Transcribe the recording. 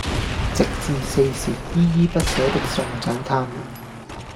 直至四時依依不捨的送走他們！